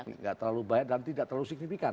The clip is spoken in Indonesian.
tidak terlalu banyak dan tidak terlalu signifikan